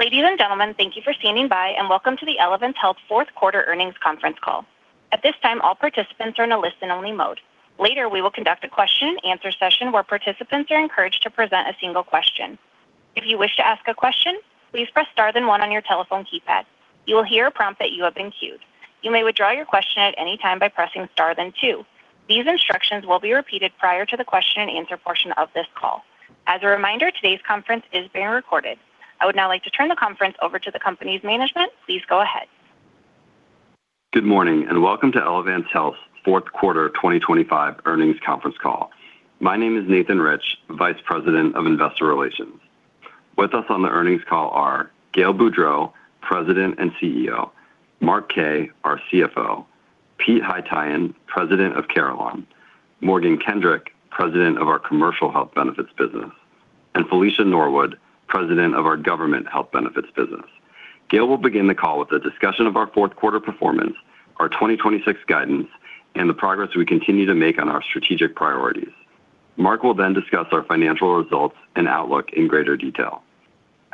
Ladies and gentlemen, thank you for standing by, and welcome to the Elevance Health Fourth Quarter Earnings Conference Call. At this time, all participants are in a listen-only mode. Later, we will conduct a question-and-answer session, where participants are encouraged to present a single question. If you wish to ask a question, please press star then one on your telephone keypad. You will hear a prompt that you have been queued. You may withdraw your question at any time by pressing star then two. These instructions will be repeated prior to the question-and-answer portion of this call. As a reminder, today's conference is being recorded. I would now like to turn the conference over to the company's management. Please go ahead. Good morning, and welcome to Elevance Health's Fourth Quarter 2025 Earnings Conference Call. My name is Nathan Rich, Vice President of Investor Relations. With us on the earnings call are Gail Boudreaux, President and CEO, Mark Kaye, our CFO, Pete Haytaian, President of Carelon, Morgan Kendrick, President of our Commercial Health Benefits business, and Felicia Norwood, President of our Government Health Benefits business. Gail will begin the call with a discussion of our fourth quarter performance, our 2026 guidance, and the progress we continue to make on our strategic priorities. Mark will then discuss our financial results and outlook in greater detail.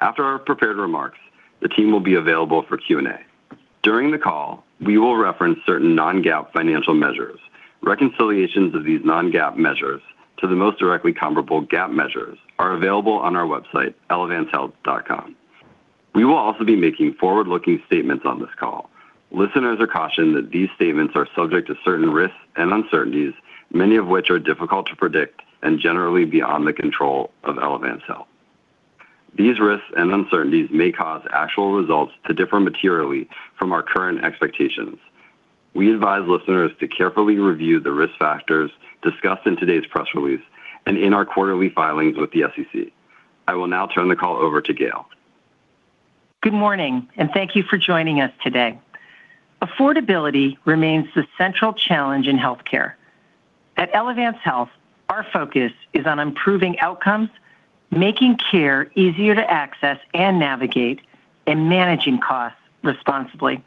After our prepared remarks, the team will be available for Q&A. During the call, we will reference certain non-GAAP financial measures. Reconciliations of these non-GAAP measures to the most directly comparable GAAP measures are available on our website, ElevanceHealth.com. We will also be making forward-looking statements on this call. Listeners are cautioned that these statements are subject to certain risks and uncertainties, many of which are difficult to predict and generally beyond the control of Elevance Health. These risks and uncertainties may cause actual results to differ materially from our current expectations. We advise listeners to carefully review the risk factors discussed in today's press release and in our quarterly filings with the SEC. I will now turn the call over to Gail. Good morning, and thank you for joining us today. Affordability remains the central challenge in healthcare. At Elevance Health, our focus is on improving outcomes, making care easier to access and navigate, and managing costs responsibly.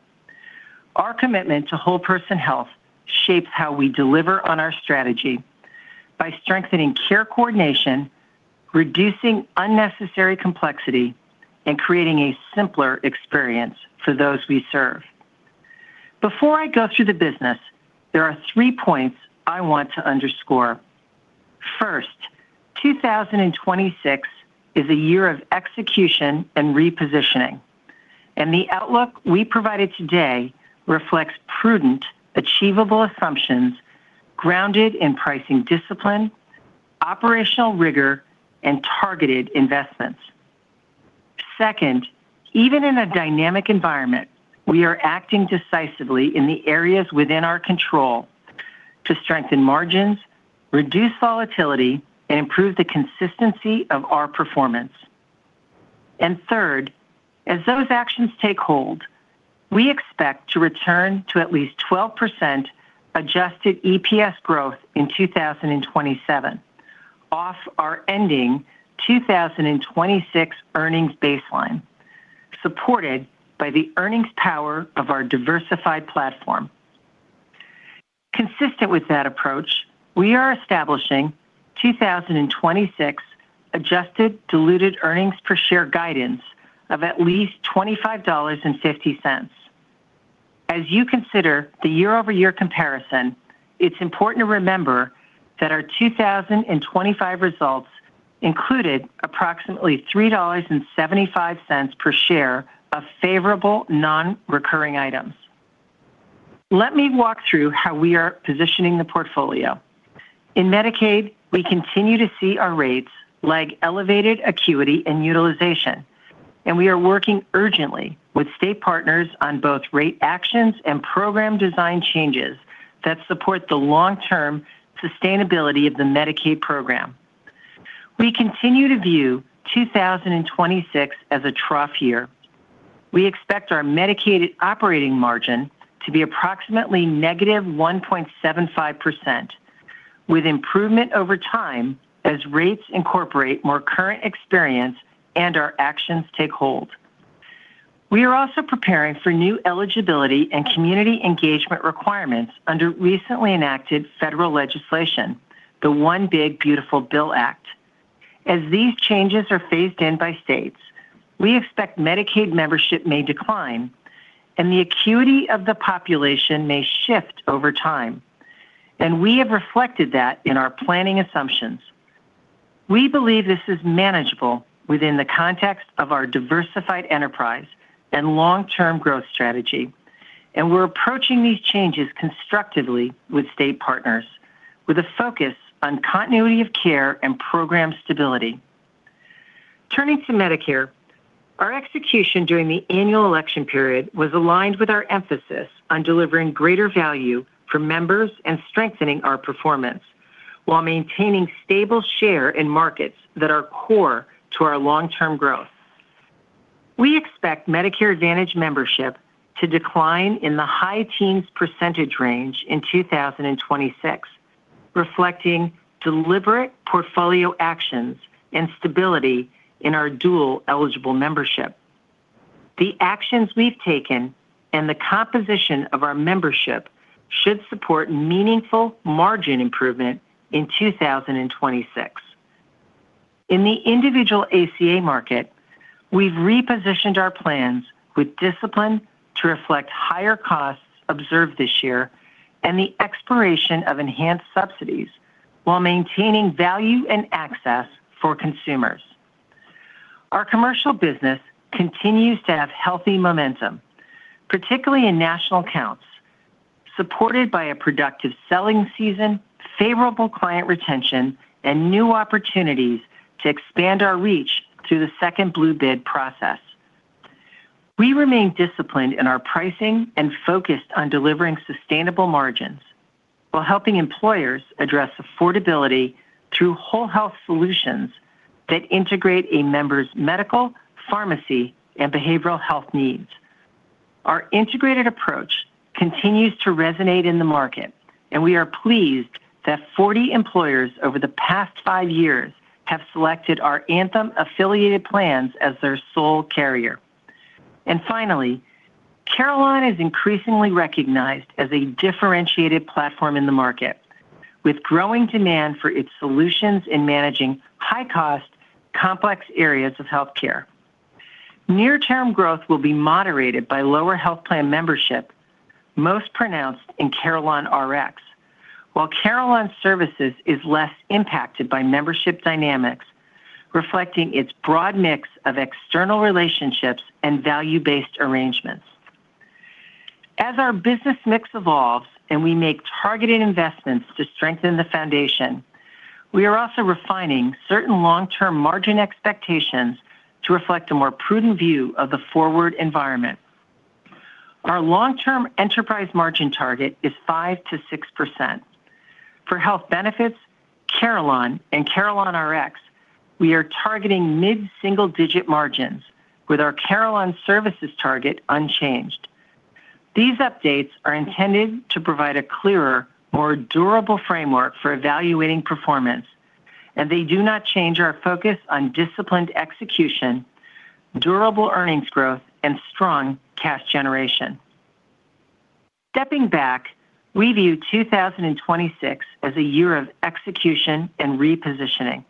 Our commitment to whole person health shapes how we deliver on our strategy by strengthening care coordination, reducing unnecessary complexity, and creating a simpler experience for those we serve. Before I go through the business, there are three points I want to underscore. First, 2026 is a year of execution and repositioning, and the outlook we provided today reflects prudent, achievable assumptions grounded in pricing discipline, operational rigor, and targeted investments. Second, even in a dynamic environment, we are acting decisively in the areas within our control to strengthen margins, reduce volatility, and improve the consistency of our performance. Third, as those actions take hold, we expect to return to at least 12% adjusted EPS growth in 2027 off our ending 2026 earnings baseline, supported by the earnings power of our diversified platform. Consistent with that approach, we are establishing 2026 adjusted diluted earnings per share guidance of at least $25.50. As you consider the year-over-year comparison, it's important to remember that our 2025 results included approximately $3.75 per share of favorable non-recurring items. Let me walk through how we are positioning the portfolio. In Medicaid, we continue to see our rates lag elevated acuity and utilization, and we are working urgently with state partners on both rate actions and program design changes that support the long-term sustainability of the Medicaid program. We continue to view 2026 as a trough year. We expect our Medicaid operating margin to be approximately -1.75%, with improvement over time as rates incorporate more current experience and our actions take hold. We are also preparing for new eligibility and community engagement requirements under recently enacted federal legislation, the One Big Beautiful Bill Act. As these changes are phased in by states, we expect Medicaid membership may decline, and the acuity of the population may shift over time, and we have reflected that in our planning assumptions. We believe this is manageable within the context of our diversified enterprise and long-term growth strategy, and we're approaching these changes constructively with state partners with a focus on continuity of care and program stability. Turning to Medicare, our execution during the annual election period was aligned with our emphasis on delivering greater value for members and strengthening our performance while maintaining stable share in markets that are core to our long-term growth. We expect Medicare Advantage membership to decline in the high teens% range in 2026, reflecting deliberate portfolio actions and stability in our dual-eligible membership.... The actions we've taken and the composition of our membership should support meaningful margin improvement in 2026. In the individual ACA market, we've repositioned our plans with discipline to reflect higher costs observed this year and the expiration of enhanced subsidies while maintaining value and access for consumers. Our commercial business continues to have healthy momentum, particularly in national accounts, supported by a productive selling season, favorable client retention, and new opportunities to expand our reach through the Second Blue bid process. We remain disciplined in our pricing and focused on delivering sustainable margins, while helping employers address affordability through whole health solutions that integrate a member's medical, pharmacy, and behavioral health needs. Our integrated approach continues to resonate in the market, and we are pleased that 40 employers over the past five years have selected our Anthem-affiliated plans as their sole carrier. And finally, Carelon is increasingly recognized as a differentiated platform in the market, with growing demand for its solutions in managing high-cost, complex areas of healthcare. Near-term growth will be moderated by lower health plan membership, most pronounced in CarelonRx, while Carelon Services is less impacted by membership dynamics, reflecting its broad mix of external relationships and value-based arrangements. As our business mix evolves and we make targeted investments to strengthen the foundation, we are also refining certain long-term margin expectations to reflect a more prudent view of the forward environment. Our long-term enterprise margin target is 5%-6%. For health benefits, Carelon and CarelonRx, we are targeting mid-single-digit margins, with our Carelon Services target unchanged. These updates are intended to provide a clearer, more durable framework for evaluating performance, and they do not change our focus on disciplined execution, durable earnings growth, and strong cash generation. Stepping back, we view 2026 as a year of execution and repositioning.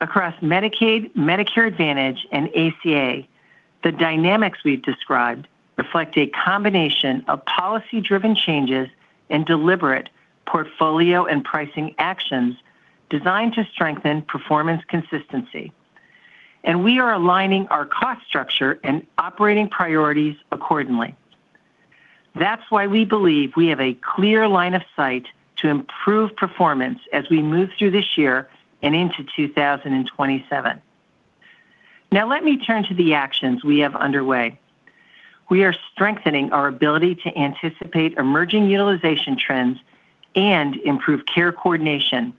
Across Medicaid, Medicare Advantage, and ACA, the dynamics we've described reflect a combination of policy-driven changes and deliberate portfolio and pricing actions designed to strengthen performance consistency, and we are aligning our cost structure and operating priorities accordingly. That's why we believe we have a clear line of sight to improve performance as we move through this year and into 2027. Now, let me turn to the actions we have underway. We are strengthening our ability to anticipate emerging utilization trends and improve care coordination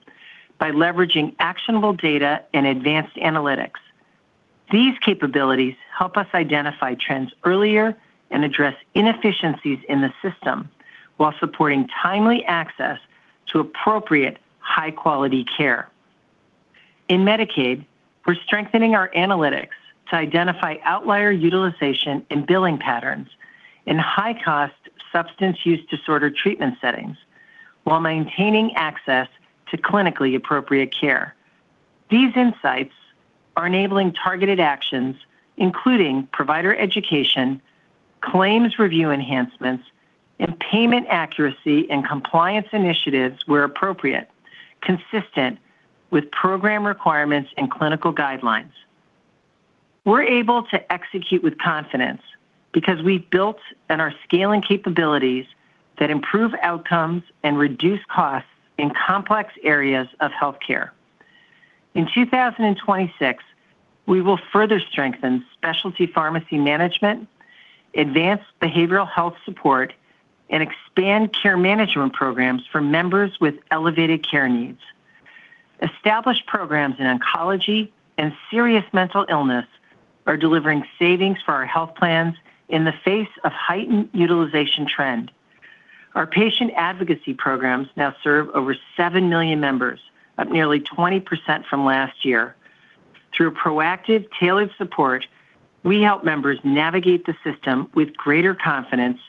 by leveraging actionable data and advanced analytics. These capabilities help us identify trends earlier and address inefficiencies in the system while supporting timely access to appropriate, high-quality care. In Medicaid, we're strengthening our analytics to identify outlier utilization and billing patterns in high-cost substance use disorder treatment settings, while maintaining access to clinically appropriate care. These insights are enabling targeted actions, including provider education, claims review enhancements, and payment accuracy and compliance initiatives where appropriate, consistent with program requirements and clinical guidelines. We're able to execute with confidence because we've built and are scaling capabilities that improve outcomes and reduce costs in complex areas of healthcare. In 2026, we will further strengthen specialty pharmacy management, advance behavioral health support, and expand care management programs for members with elevated care needs. Established programs in oncology and serious mental illness are delivering savings for our health plans in the face of heightened utilization trend. Our patient advocacy programs now serve over 7 million members, up nearly 20% from last year. Through proactive, tailored support, we help members navigate the system with greater confidence,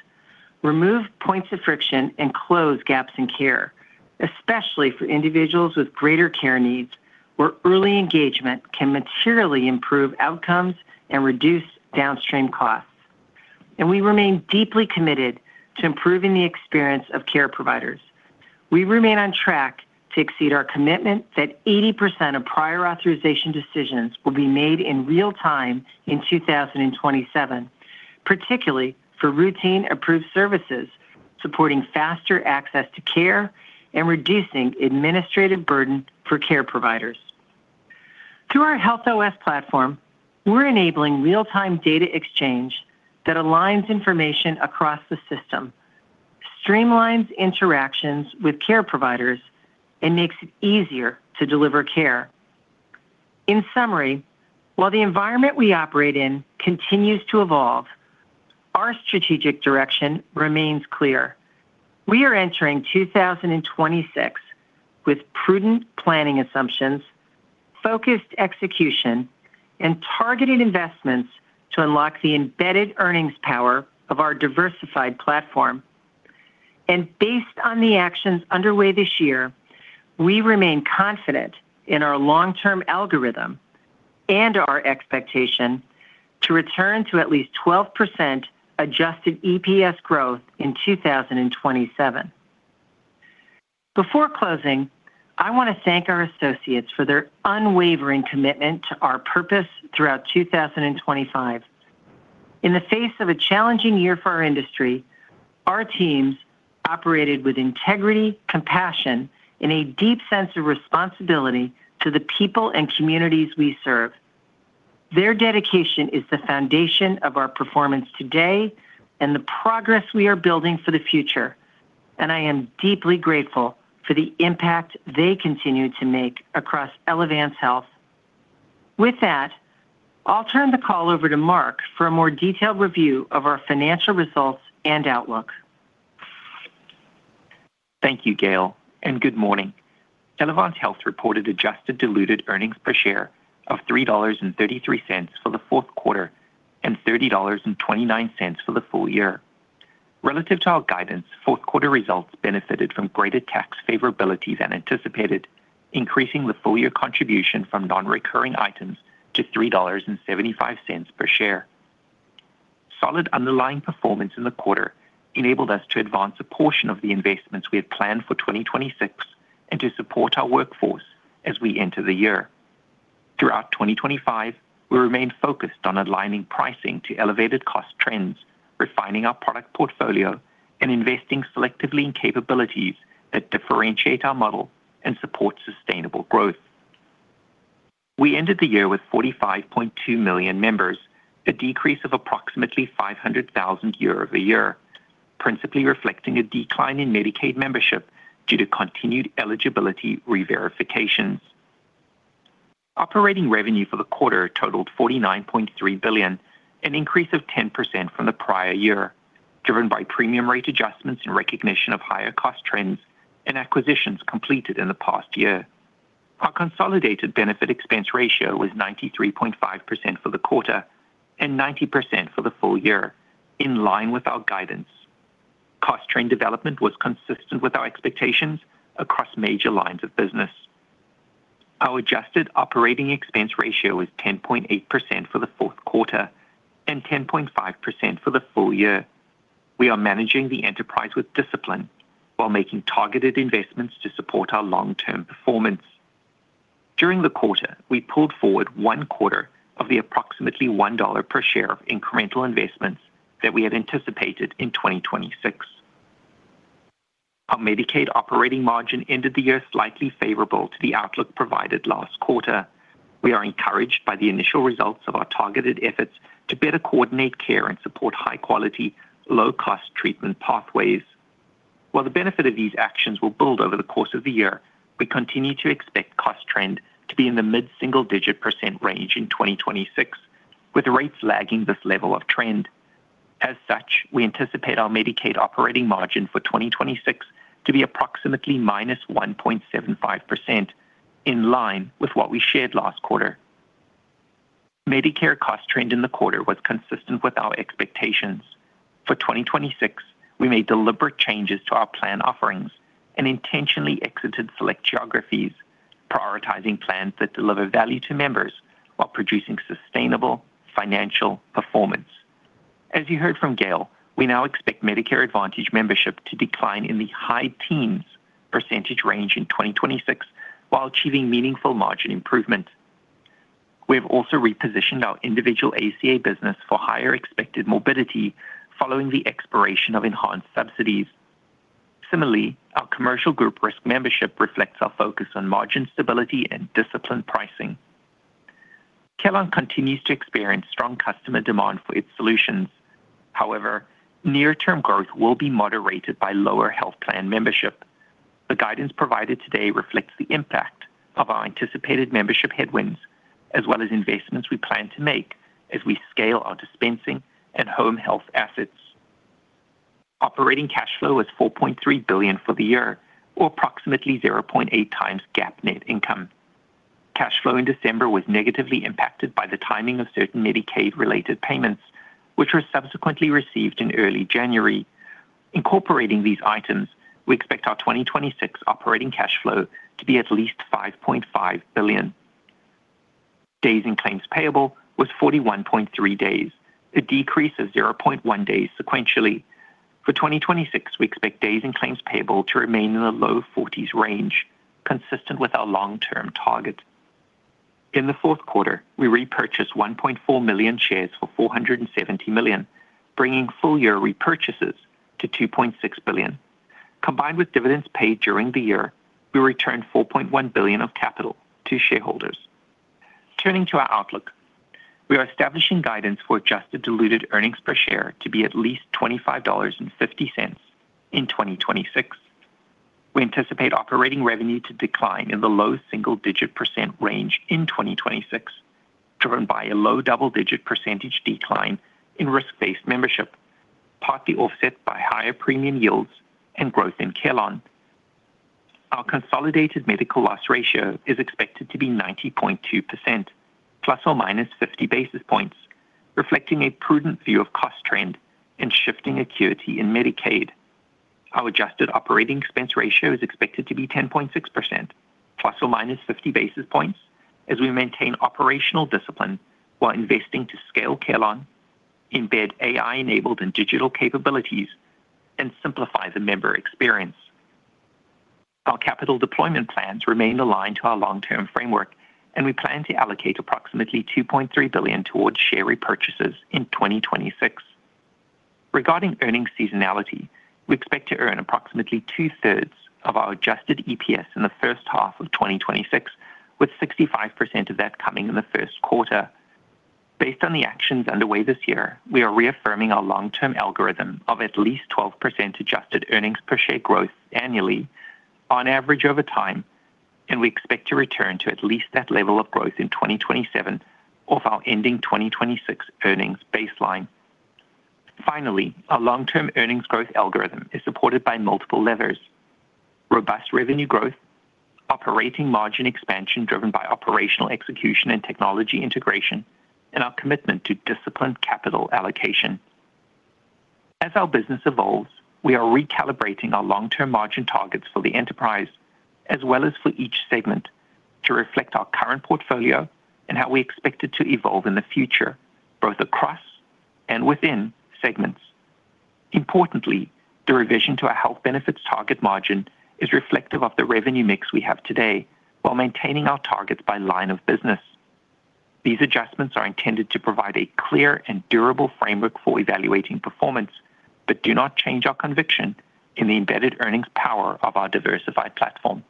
remove points of friction, and close gaps in care, especially for individuals with greater care needs, where early engagement can materially improve outcomes and reduce downstream costs. And we remain deeply committed to improving the experience of care providers. We remain on track to exceed our commitment that 80% of prior authorization decisions will be made in real time in 2027, particularly for routine approved services, supporting faster access to care and reducing administrative burden for care providers. Through our Health OS platform, we're enabling real-time data exchange that aligns information across the system, streamlines interactions with care providers, and makes it easier to deliver care. In summary, while the environment we operate in continues to evolve,... Our strategic direction remains clear. We are entering 2026 with prudent planning assumptions, focused execution, and targeted investments to unlock the embedded earnings power of our diversified platform. Based on the actions underway this year, we remain confident in our long-term algorithm and our expectation to return to at least 12% adjusted EPS growth in 2027. Before closing, I want to thank our associates for their unwavering commitment to our purpose throughout 2025. In the face of a challenging year for our industry, our teams operated with integrity, compassion, and a deep sense of responsibility to the people and communities we serve. Their dedication is the foundation of our performance today and the progress we are building for the future, and I am deeply grateful for the impact they continue to make across Elevance Health. With that, I'll turn the call over to Mark for a more detailed review of our financial results and outlook. Thank you, Gail, and good morning. Elevance Health reported adjusted diluted earnings per share of $3.33 for the fourth quarter and $30.29 for the full year. Relative to our guidance, fourth quarter results benefited from greater tax favorability than anticipated, increasing the full year contribution from non-recurring items to $3.75 per share. Solid underlying performance in the quarter enabled us to advance a portion of the investments we had planned for 2026 and to support our workforce as we enter the year. Throughout 2025, we remained focused on aligning pricing to elevated cost trends, refining our product portfolio, and investing selectively in capabilities that differentiate our model and support sustainable growth. We ended the year with 45.2 million members, a decrease of approximately 500,000 year-over-year, principally reflecting a decline in Medicaid membership due to continued eligibility reverifications. Operating revenue for the quarter totaled $49.3 billion, an increase of 10% from the prior year, driven by premium rate adjustments in recognition of higher cost trends and acquisitions completed in the past year. Our consolidated benefit expense ratio was 93.5% for the quarter and 90% for the full year, in line with our guidance. Cost trend development was consistent with our expectations across major lines of business. Our adjusted operating expense ratio is 10.8% for the fourth quarter and 10.5% for the full year. We are managing the enterprise with discipline while making targeted investments to support our long-term performance. During the quarter, we pulled forward one quarter of the approximately $1 per share of incremental investments that we had anticipated in 2026. Our Medicaid operating margin ended the year slightly favorable to the outlook provided last quarter. We are encouraged by the initial results of our targeted efforts to better coordinate care and support high quality, low-cost treatment pathways. While the benefit of these actions will build over the course of the year, we continue to expect cost trend to be in the mid-single-digit % range in 2026, with rates lagging this level of trend. As such, we anticipate our Medicaid operating margin for 2026 to be approximately -1.75%, in line with what we shared last quarter. Medicare cost trend in the quarter was consistent with our expectations. For 2026, we made deliberate changes to our plan offerings and intentionally exited select geographies, prioritizing plans that deliver value to members while producing sustainable financial performance. As you heard from Gail, we now expect Medicare Advantage membership to decline in the high teens % range in 2026, while achieving meaningful margin improvement. We have also repositioned our individual ACA business for higher expected morbidity following the expiration of enhanced subsidies. Similarly, our commercial group risk membership reflects our focus on margin stability and disciplined pricing. Carelon continues to experience strong customer demand for its solutions. However, near-term growth will be moderated by lower health plan membership. The guidance provided today reflects the impact of our anticipated membership headwinds, as well as investments we plan to make as we scale our dispensing and home health assets. Operating cash flow was $4.3 billion for the year, or approximately 0.8 times GAAP net income. Cash flow in December was negatively impacted by the timing of certain Medicaid-related payments, which were subsequently received in early January. Incorporating these items, we expect our 2026 operating cash flow to be at least $5.5 billion. Days in claims payable was 41.3 days, a decrease of 0.1 days sequentially. For 2026, we expect days in claims payable to remain in the low 40s range, consistent with our long-term target. In the fourth quarter, we repurchased 1.4 million shares for $470 million, bringing full-year repurchases to $2.6 billion. Combined with dividends paid during the year, we returned $4.1 billion of capital to shareholders. Turning to our outlook, we are establishing guidance for adjusted diluted earnings per share to be at least $25.50 in 2026. We anticipate operating revenue to decline in the low single-digit % range in 2026, driven by a low double-digit % decline in risk-based membership, partly offset by higher premium yields and growth in Carelon. Our consolidated medical loss ratio is expected to be 90.2%, ±50 basis points, reflecting a prudent view of cost trend and shifting acuity in Medicaid. Our adjusted operating expense ratio is expected to be 10.6%, ±50 basis points, as we maintain operational discipline while investing to scale Carelon, embed AI-enabled and digital capabilities, and simplify the member experience. Our capital deployment plans remain aligned to our long-term framework, and we plan to allocate approximately $2.3 billion towards share repurchases in 2026. Regarding earnings seasonality, we expect to earn approximately two-thirds of our adjusted EPS in the first half of 2026, with 65% of that coming in the first quarter. Based on the actions underway this year, we are reaffirming our long-term algorithm of at least 12% adjusted earnings per share growth annually on average over time, and we expect to return to at least that level of growth in 2027 of our ending 2026 earnings baseline. Finally, our long-term earnings growth algorithm is supported by multiple levers: robust revenue growth, operating margin expansion driven by operational execution and technology integration, and our commitment to disciplined capital allocation. As our business evolves, we are recalibrating our long-term margin targets for the enterprise, as well as for each segment, to reflect our current portfolio and how we expect it to evolve in the future, both across and within segments. Importantly, the revision to our health benefits target margin is reflective of the revenue mix we have today while maintaining our targets by line of business. These adjustments are intended to provide a clear and durable framework for evaluating performance, but do not change our conviction in the embedded earnings power of our diversified platform.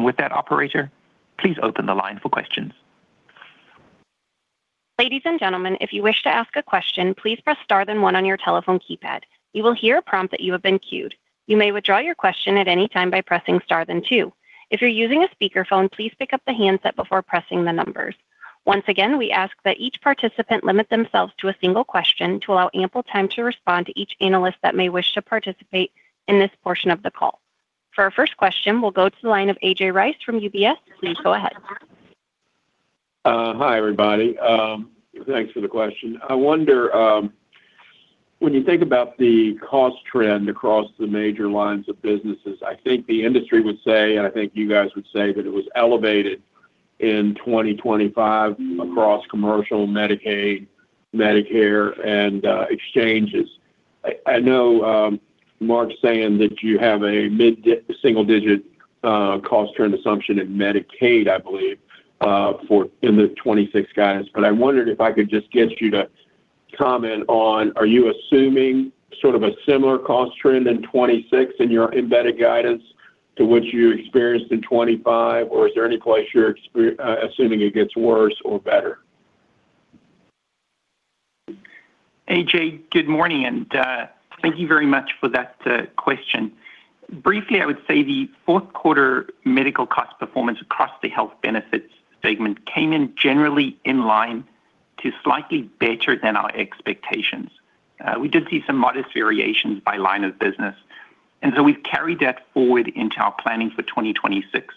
With that, operator, please open the line for questions. Ladies and gentlemen, if you wish to ask a question, please press star then one on your telephone keypad. You will hear a prompt that you have been queued. You may withdraw your question at any time by pressing star then two. If you're using a speakerphone, please pick up the handset before pressing the numbers. Once again, we ask that each participant limit themselves to a single question to allow ample time to respond to each analyst that may wish to participate in this portion of the call. For our first question, we'll go to the line of A.J. Rice from UBS. Please go ahead. Hi, everybody. Thanks for the question. I wonder, when you think about the cost trend across the major lines of businesses, I think the industry would say, and I think you guys would say, that it was elevated in 2025 across commercial, Medicaid, Medicare, and exchanges. I know, Mark's saying that you have a mid-single digit cost trend assumption in Medicaid, I believe, for in the 2026 guidance. But I wondered if I could just get you to comment on, are you assuming sort of a similar cost trend in 2026 in your embedded guidance to which you experienced in 2025, or is there any place you're assuming it gets worse or better? A.J., good morning, and thank you very much for that question. Briefly, I would say the fourth quarter medical cost performance across the health benefits segment came in generally in line to slightly better than our expectations. We did see some modest variations by line of business, and so we've carried that forward into our planning for 2026.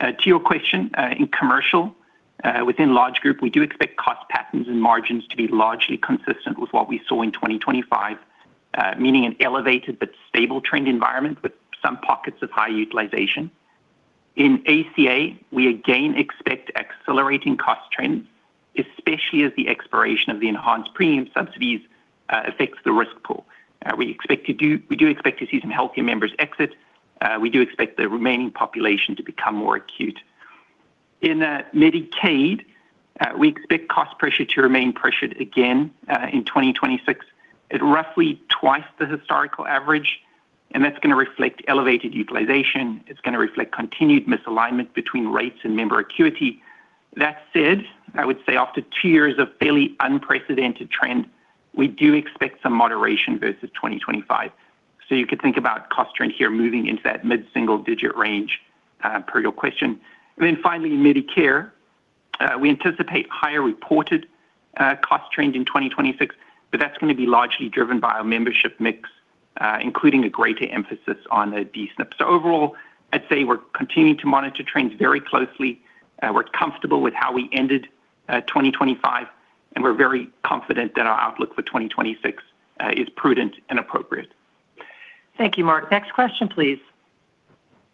To your question, in commercial, within large group, we do expect cost patterns and margins to be largely consistent with what we saw in 2025, meaning an elevated but stable trend environment with some pockets of high utilization. In ACA, we again expect accelerating cost trends, especially as the expiration of the enhanced premium subsidies affects the risk pool. We do expect to see some healthier members exit. We do expect the remaining population to become more acute. In Medicaid, we expect cost pressure to remain pressured again in 2026, at roughly twice the historical average, and that's gonna reflect elevated utilization. It's gonna reflect continued misalignment between rates and member acuity. That said, I would say after two years of fairly unprecedented trend, we do expect some moderation versus 2025. So you could think about cost trend here moving into that mid-single digit range, per your question. And then finally, in Medicare, we anticipate higher reported cost trends in 2026, but that's going to be largely driven by our membership mix, including a greater emphasis on the D-SNPs. So overall, I'd say we're continuing to monitor trends very closely, we're comfortable with how we ended 2025, and we're very confident that our outlook for 2026 is prudent and appropriate. Thank you, Mark. Next question, please.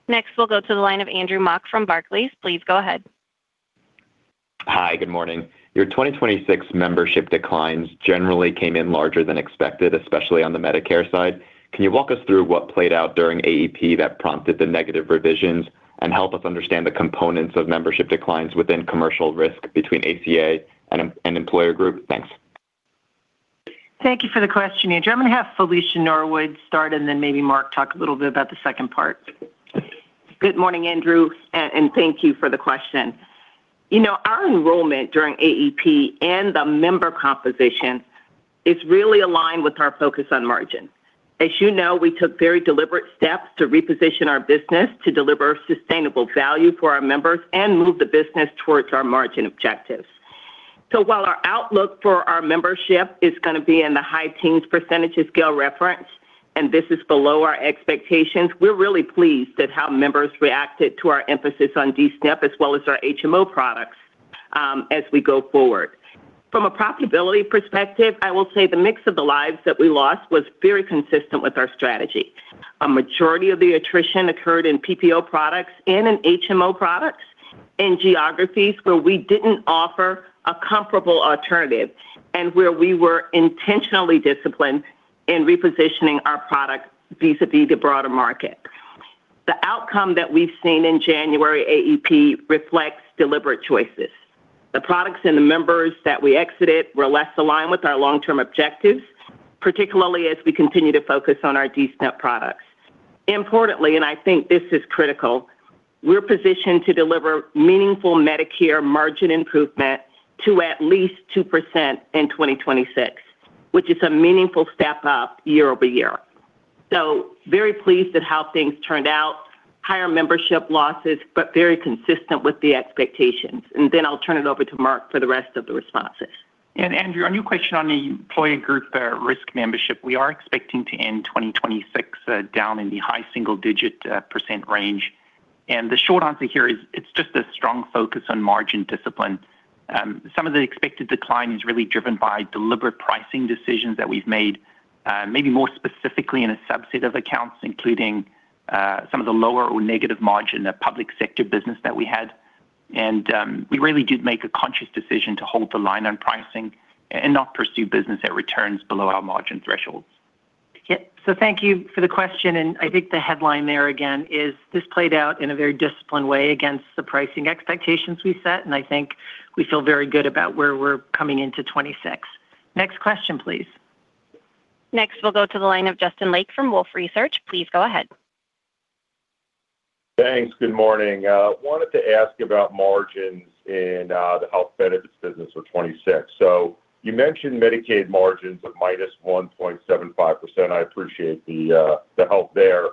Next, we'll go to the line of Andrew Mok from Barclays. Please go ahead. Hi, good morning. Your 2026 membership declines generally came in larger than expected, especially on the Medicare side. Can you walk us through what played out during AEP that prompted the negative revisions and help us understand the components of membership declines within commercial risk between ACA and employer group? Thanks. Thank you for the question, Andrew. I'm going to have Felicia Norwood start, and then maybe Mark talk a little bit about the second part. Good morning, Andrew, and thank you for the question. You know, our enrollment during AEP and the member composition is really aligned with our focus on margin. As you know, we took very deliberate steps to reposition our business to deliver sustainable value for our members and move the business towards our margin objectives. So while our outlook for our membership is going to be in the high teens percentage scale reference, and this is below our expectations, we're really pleased at how members reacted to our emphasis on D-SNP, as well as our HMO products, as we go forward. From a profitability perspective, I will say the mix of the lives that we lost was very consistent with our strategy. A majority of the attrition occurred in PPO products and in HMO products, in geographies where we didn't offer a comparable alternative and where we were intentionally disciplined in repositioning our product vis-a-vis the broader market. The outcome that we've seen in January AEP reflects deliberate choices. The products and the members that we exited were less aligned with our long-term objectives, particularly as we continue to focus on our D-SNP products. Importantly, and I think this is critical, we're positioned to deliver meaningful Medicare margin improvement to at least 2% in 2026, which is a meaningful step up year-over-year. So very pleased at how things turned out. Higher membership losses, but very consistent with the expectations. And then I'll turn it over to Mark for the rest of the responses. And, Andrew, on your question on the employee group, their risk membership, we are expecting to end 2026 down in the high single-digit % range. And the short answer here is it's just a strong focus on margin discipline. Some of the expected decline is really driven by deliberate pricing decisions that we've made, maybe more specifically in a subset of accounts, including some of the lower or negative margin, the public sector business that we had. And we really did make a conscious decision to hold the line on pricing and not pursue business that returns below our margin thresholds. Yep. Thank you for the question, and I think the headline there, again, is this played out in a very disciplined way against the pricing expectations we set, and I think we feel very good about where we're coming into 2026. Next question, please. Next, we'll go to the line of Justin Lake from Wolfe Research. Please go ahead. Thanks. Good morning. Wanted to ask about margins in the health benefits business for 2026. So you mentioned Medicaid margins of -1.75%. I appreciate the help there.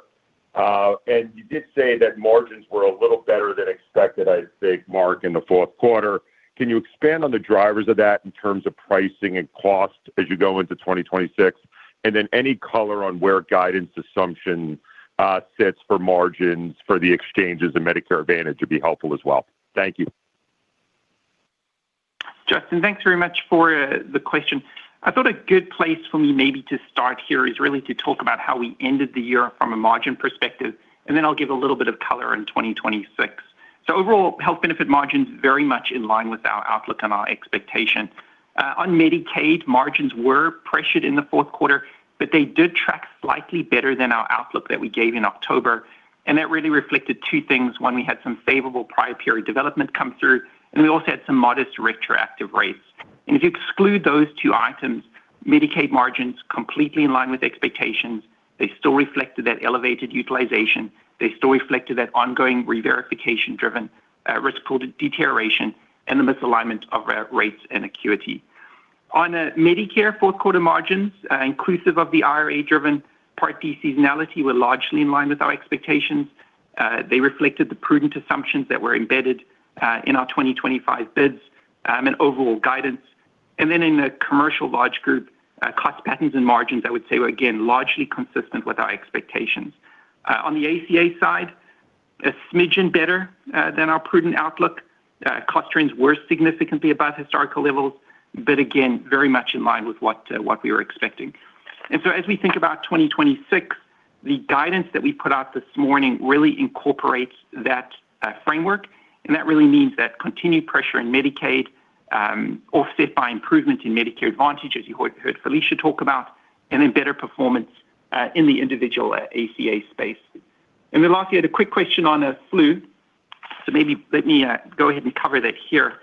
And you did say that margins were a little better than expected, I'd say, Mark, in the fourth quarter. Can you expand on the drivers of that in terms of pricing and cost as you go into 2026? And then any color on where guidance assumption sits for margins for the exchanges and Medicare Advantage would be helpful as well. Thank you. Justin, thanks very much for the question. I thought a good place for me maybe to start here is really to talk about how we ended the year from a margin perspective, and then I'll give a little bit of color in 2026. So overall, health benefit margins very much in line with our outlook and our expectation. On Medicaid, margins were pressured in the fourth quarter, but they did track slightly better than our outlook that we gave in October, and that really reflected two things. One, we had some favorable prior period development come through, and we also had some modest retroactive rates. And if you exclude those two items, Medicaid margins completely in line with expectations. They still reflected that elevated utilization, they still reflected that ongoing reverification-driven risk score deterioration, and the misalignment of rates and acuity. On Medicare fourth quarter margins, inclusive of the IRA-driven Part D seasonality, were largely in line with our expectations. They reflected the prudent assumptions that were embedded in our 2025 bids and overall guidance. Then in the commercial large group, cost patterns and margins, I would say, were again largely consistent with our expectations. On the ACA side, a smidgen better than our prudent outlook. Cost trends were significantly above historical levels, but again, very much in line with what we were expecting. So as we think about 2026, the guidance that we put out this morning really incorporates that framework, and that really means continued pressure in Medicaid, offset by improvement in Medicare Advantage, as you heard Felicia talk about, and then better performance in the individual ACA space. Then lastly, I had a quick question on flu. So maybe let me go ahead and cover that here.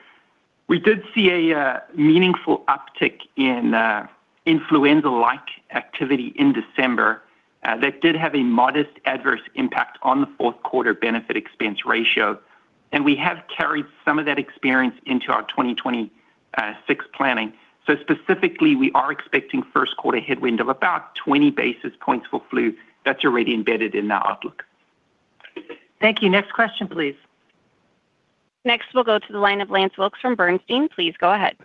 We did see a meaningful uptick in influenza-like activity in December. That did have a modest adverse impact on the fourth quarter Benefit Expense Ratio, and we have carried some of that experience into our 2026 planning. So specifically, we are expecting first quarter headwind of about 20 basis points for flu. That's already embedded in our outlook. Thank you. Next question, please. Next, we'll go to the line of Lance Wilkes from Bernstein. Please go ahead.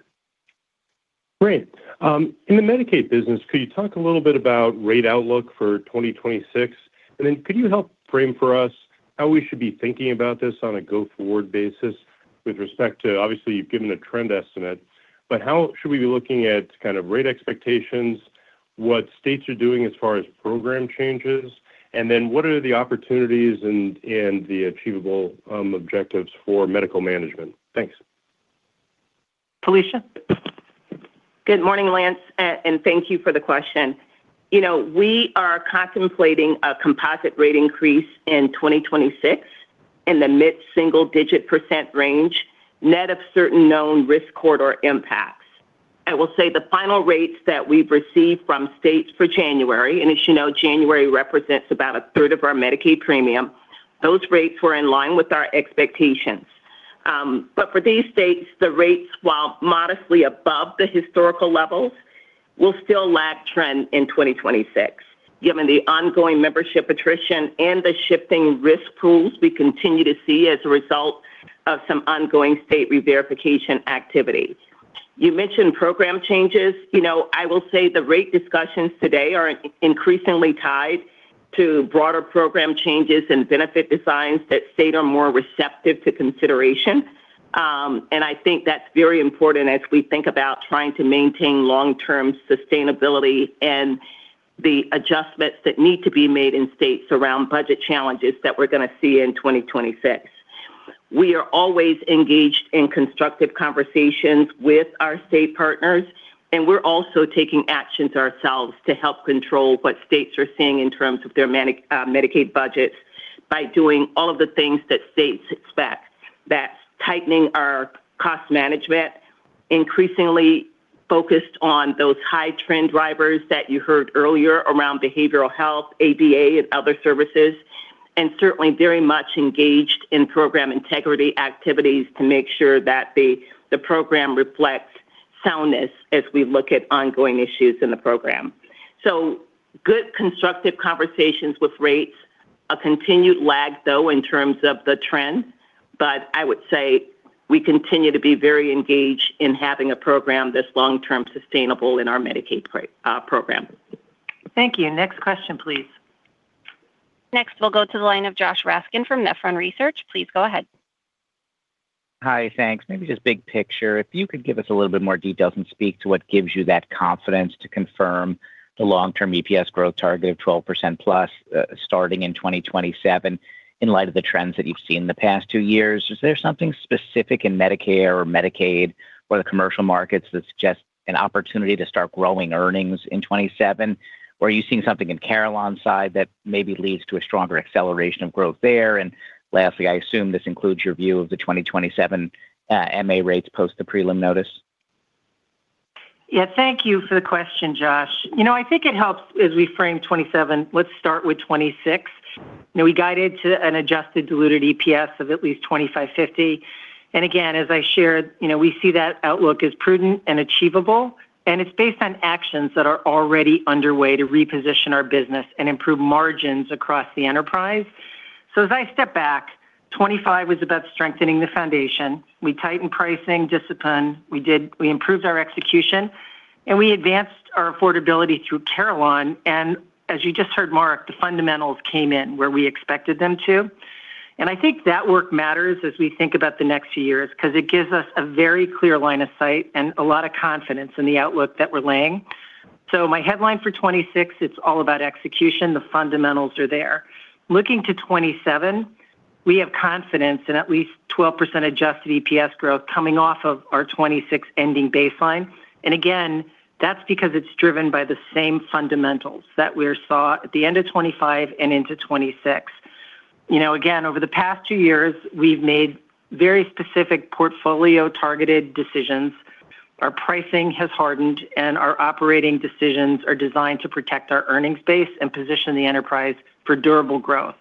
Great. In the Medicaid business, could you talk a little bit about rate outlook for 2026? And then could you help frame for us how we should be thinking about this on a go-forward basis with respect to... Obviously, you've given a trend estimate, but how should we be looking at kind of rate expectations, what states are doing as far as program changes, and then what are the opportunities and the achievable objectives for medical management? Thanks. Felicia? Good morning, Lance, and thank you for the question. You know, we are contemplating a composite rate increase in 2026 in the mid-single-digit % range, net of certain known risk corridor impacts. I will say the final rates that we've received from states for January, and as you know, January represents about a third of our Medicaid premium, those rates were in line with our expectations. But for these states, the rates, while modestly above the historical levels, will still lag trend in 2026, given the ongoing membership attrition and the shifting risk pools we continue to see as a result of some ongoing state reverification activity. You mentioned program changes. You know, I will say the rate discussions today are increasingly tied to broader program changes and benefit designs that state are more receptive to consideration. And I think that's very important as we think about trying to maintain long-term sustainability and the adjustments that need to be made in states around budget challenges that we're gonna see in 2026. We are always engaged in constructive conversations with our state partners, and we're also taking actions ourselves to help control what states are seeing in terms of their Medicaid budgets by doing all of the things that states expect. That's tightening our cost management, increasingly focused on those high trend drivers that you heard earlier around behavioral health, ABA, and other services, and certainly very much engaged in program integrity activities to make sure that the program reflects soundness as we look at ongoing issues in the program. So good, constructive conversations with rates. A continued lag, though, in terms of the trend, but I would say we continue to be very engaged in having a program that's long-term sustainable in our Medicaid program. Thank you. Next question, please. Next, we'll go to the line of Josh Raskin from Nephron Research. Please go ahead. Hi, thanks. Maybe just big picture, if you could give us a little bit more details and speak to what gives you that confidence to confirm the long-term EPS growth target of 12%+, starting in 2027, in light of the trends that you've seen in the past two years. Is there something specific in Medicare or Medicaid or the commercial markets that suggest an opportunity to start growing earnings in 2027? Or are you seeing something in Carelon's side that maybe leads to a stronger acceleration of growth there? And lastly, I assume this includes your view of the 2027, MA rates post the prelim notice. Yeah, thank you for the question, Josh. You know, I think it helps as we frame 2027, let's start with 2026. Now, we guided to an adjusted diluted EPS of at least $25.50. And again, as I shared, you know, we see that outlook as prudent and achievable, and it's based on actions that are already underway to reposition our business and improve margins across the enterprise. So as I step back, 2025 was about strengthening the foundation. We tightened pricing discipline, we improved our execution, and we advanced our affordability through Carelon. And as you just heard, Mark, the fundamentals came in where we expected them to. And I think that work matters as we think about the next few years, 'cause it gives us a very clear line of sight and a lot of confidence in the outlook that we're laying. So my headline for 2026, it's all about execution. The fundamentals are there. Looking to 2027, we have confidence in at least 12% adjusted EPS growth coming off of our 2026 ending baseline. And again, that's because it's driven by the same fundamentals that we saw at the end of 2025 and into 2026. You know, again, over the past two years, we've made very specific portfolio-targeted decisions. Our pricing has hardened, and our operating decisions are designed to protect our earnings base and position the enterprise for durable growth.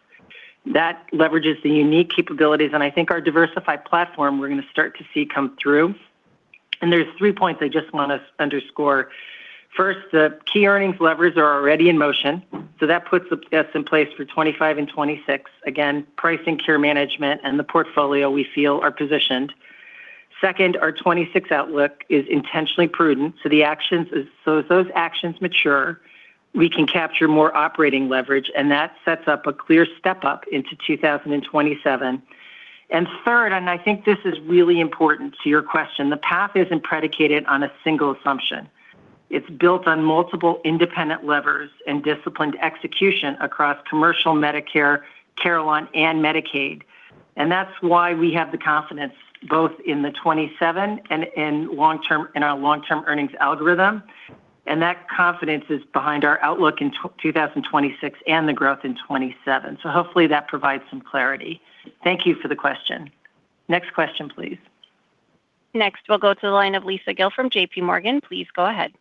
That leverages the unique capabilities, and I think our diversified platform, we're gonna start to see come through. And there's three points I just want to underscore. First, the key earnings levers are already in motion, so that puts the bets in place for 2025 and 2026. Again, pricing, care management, and the portfolio we feel are positioned. Second, our 2026 outlook is intentionally prudent, so the actions... So as those actions mature, we can capture more operating leverage, and that sets up a clear step-up into 2027. And third, and I think this is really important to your question, the path isn't predicated on a single assumption. It's built on multiple independent levers and disciplined execution across commercial Medicare, Carelon, and Medicaid. And that's why we have the confidence both in the 2027 and in long-term, in our long-term earnings algorithm, and that confidence is behind our outlook in 2026 and the growth in 2027. So hopefully that provides some clarity. Thank you for the question. Next question, please. Next, we'll go to the line of Lisa Gill from JP Morgan. Please go ahead.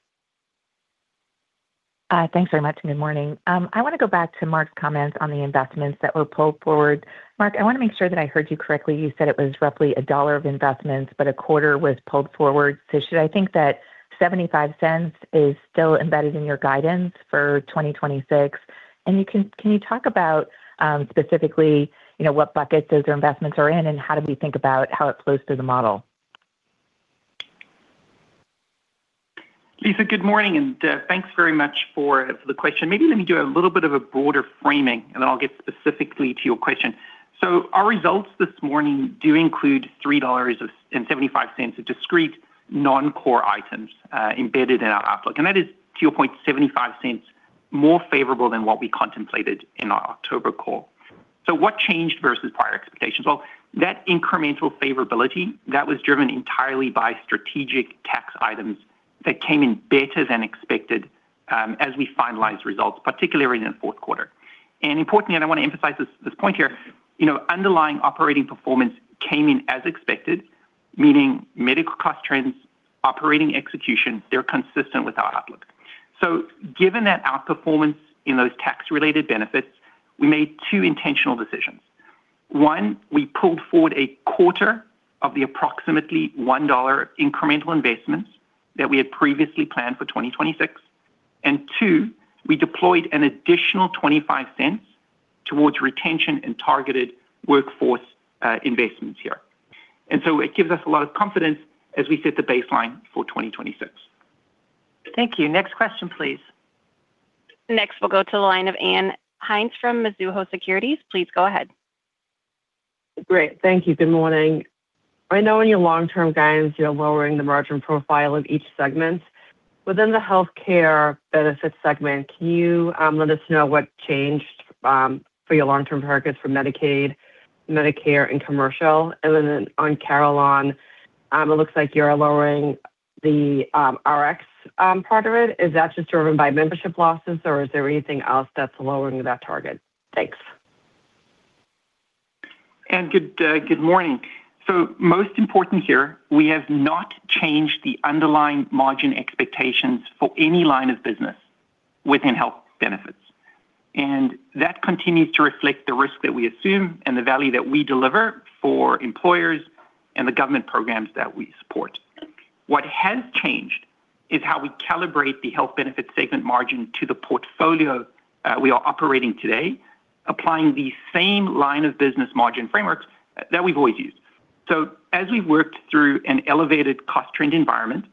Thanks very much, and good morning. I wanna go back to Mark's comments on the investments that were pulled forward. Mark, I wanna make sure that I heard you correctly. You said it was roughly $1 of investments, but a quarter was pulled forward. So should I think that $0.75 is still embedded in your guidance for 2026? And you can talk about, specifically, you know, what buckets those investments are in, and how do we think about how it flows through the model? Lisa, good morning, and thanks very much for the question. Maybe let me do a little bit of a broader framing, and then I'll get specifically to your question. So our results this morning do include $3.75 of discrete non-core items embedded in our outlook, and that is, to your point, $0.75 more favorable than what we contemplated in our October call. So what changed versus prior expectations? Well, that incremental favorability, that was driven entirely by strategic tax items that came in better than expected as we finalized results, particularly in the fourth quarter. And importantly, and I want to emphasize this, this point here, you know, underlying operating performance came in as expected, meaning medical cost trends, operating execution, they're consistent with our outlook. So given that outperformance in those tax-related benefits, we made two intentional decisions. One, we pulled forward a quarter of the approximately $1 incremental investments that we had previously planned for 2026. And two, we deployed an additional $0.25 towards retention and targeted workforce investments here. And so it gives us a lot of confidence as we set the baseline for 2026. Thank you. Next question, please. Next, we'll go to the line of Ann Hynes from Mizuho Securities. Please go ahead. Great. Thank you. Good morning. I know in your long-term guidance, you're lowering the margin profile of each segment. Within the healthcare benefits segment, can you let us know what changed for your long-term targets for Medicaid, Medicare, and Commercial? And then on Carelon, it looks like you're lowering the RX part of it. Is that just driven by membership losses, or is there anything else that's lowering that target? Thanks. Anne, good morning. So most important here, we have not changed the underlying margin expectations for any line of business within health benefits, and that continues to reflect the risk that we assume and the value that we deliver for employers and the government programs that we support. What has changed is how we calibrate the health benefit segment margin to the portfolio we are operating today, applying the same line of business margin frameworks that we've always used. So as we worked through an elevated cost trend environment,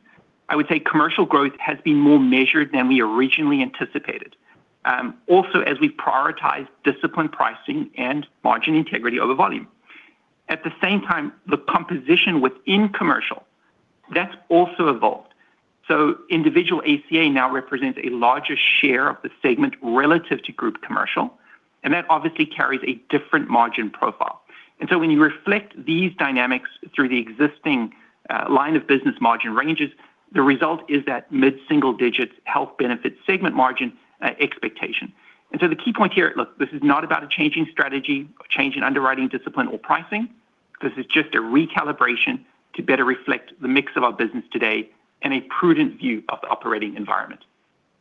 I would say commercial growth has been more measured than we originally anticipated, also, as we prioritize disciplined pricing and margin integrity over volume. At the same time, the composition within commercial, that's also evolved. So individual ACA now represents a larger share of the segment relative to group commercial, and that obviously carries a different margin profile. And so when you reflect these dynamics through the existing line of business margin ranges, the result is that mid-single-digit health benefit segment margin expectation. And so the key point here, look, this is not about a changing strategy or change in underwriting discipline or pricing. This is just a recalibration to better reflect the mix of our business today and a prudent view of the operating environment.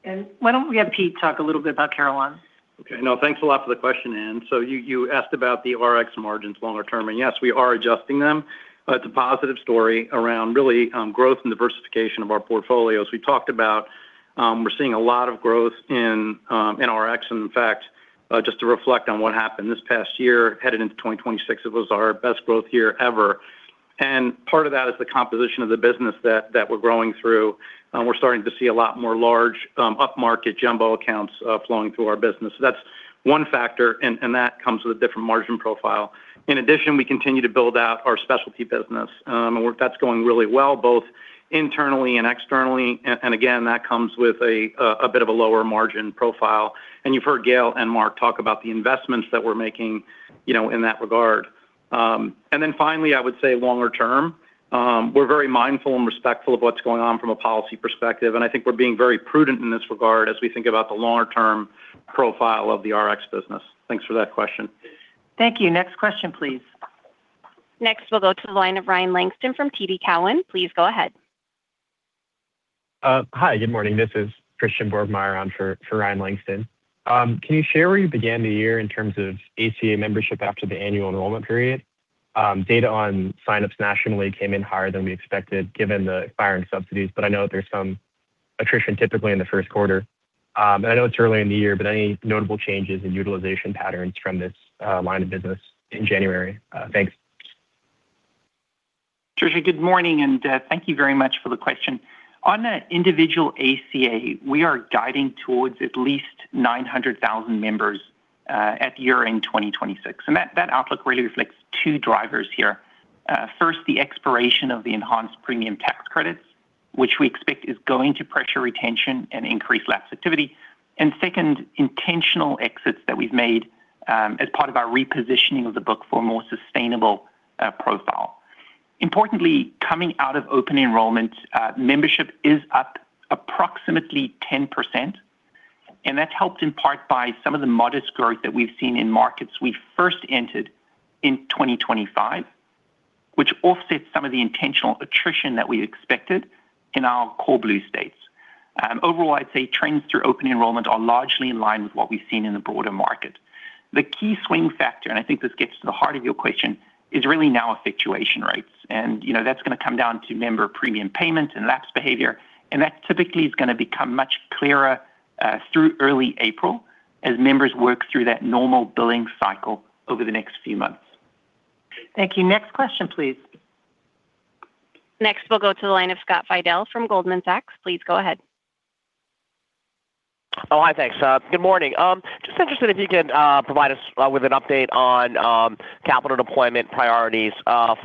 And why don't we have Pete talk a little bit about Carelon? Okay. No, thanks a lot for the question, Ann. So you asked about the RX margins longer term, and yes, we are adjusting them, but it's a positive story around really growth and diversification of our portfolios. We talked about. We're seeing a lot of growth in RX. And in fact, just to reflect on what happened this past year, headed into 2026, it was our best growth year ever. And part of that is the composition of the business that we're growing through. We're starting to see a lot more large upmarket jumbo accounts flowing through our business. So that's one factor, and that comes with a different margin profile. In addition, we continue to build out our specialty business, and that's going really well, both internally and externally. And again, that comes with a bit of a lower margin profile. And you've heard Gail and Mark talk about the investments that we're making, you know, in that regard. And then finally, I would say longer term, we're very mindful and respectful of what's going on from a policy perspective, and I think we're being very prudent in this regard as we think about the longer-term profile of the RX business. Thanks for that question. Thank you. Next question, please. Next, we'll go to the line of Ryan Langston from TD Cowen. Please go ahead. Hi, good morning. This is Christian Borgmeyer on for Ryan Langston. Can you share where you began the year in terms of ACA membership after the annual enrollment period? Data on signups nationally came in higher than we expected, given the expiring subsidies, but I know there's some attrition typically in the first quarter. And I know it's early in the year, but any notable changes in utilization patterns from this line of business in January? Thanks. Christian, good morning, and thank you very much for the question. On the individual ACA, we are guiding towards at least 900,000 members at year-end 2026, and that, that outlook really reflects two drivers here. First, the expiration of the enhanced premium tax credits, which we expect is going to pressure retention and increase lapse activity. And second, intentional exits that we've made as part of our repositioning of the book for a more sustainable profile. Importantly, coming out of open enrollment, membership is up approximately 10%, and that's helped in part by some of the modest growth that we've seen in markets we first entered in 2025, which offsets some of the intentional attrition that we expected in our core blue states. Overall, I'd say trends through open enrollment are largely in line with what we've seen in the broader market. The key swing factor, and I think this gets to the heart of your question, is really now effectuation rates. You know, that's gonna come down to member premium payments and lapse behavior, and that typically is gonna become much clearer through early April as members work through that normal billing cycle over the next few months. Thank you. Next question, please. Next, we'll go to the line of Scott Fidel from Goldman Sachs. Please go ahead. Oh, hi. Thanks. Good morning. Just interested if you could provide us with an update on capital deployment priorities,